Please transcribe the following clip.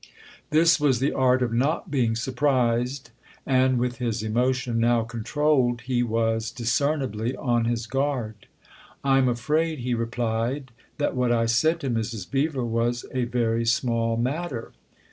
This was the art of not being surprised, and, with his emotion now con trolled, he was discernibly on his guard. " I'm afraid," he replied, " that what I said to Mrs. Beever was a very small matter."